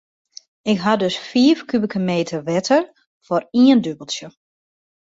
Ik ha dus fiif kubike meter wetter foar ien dûbeltsje.